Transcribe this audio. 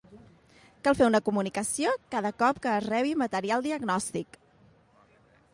Cal fer una comunicació cada cop que es rebi material diagnòstic.